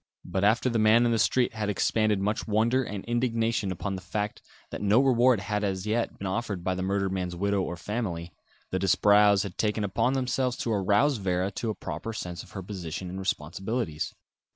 But after the man in the street had expended much wonder and indignation upon the fact that no reward had as yet been offered by the murdered man's widow or family, the Disbrowes had taken upon themselves to arouse Vera to a proper sense of her position and responsibilities.